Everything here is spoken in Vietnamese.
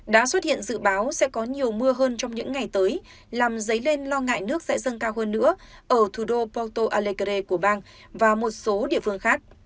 đã xuất hiện dự báo sẽ có nhiều mưa hơn trong những ngày tới làm dấy lên lo ngại nước sẽ dâng cao hơn nữa ở thủ đô porto alekre của bang và một số địa phương khác